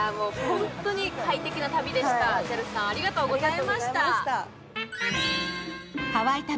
本当に快適な旅でした。